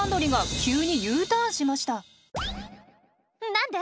何で？